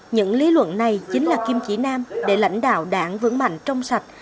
những lý luận này chính là kim chỉ nam để lãnh đạo đảng vững mạnh trong sạch